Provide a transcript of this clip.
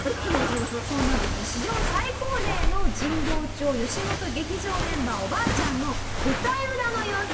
そんなですね史上最高齢の神保町よしもと劇場メンバーおばあちゃんの舞台裏の様子